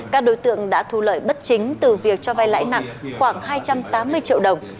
các đối tượng đã thu lợi bất chính từ việc cho vay lãi nặng khoảng hai trăm tám mươi triệu đồng